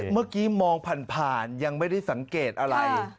เมื่อกี้มองผ่านยังไม่ได้สังเกตอะไร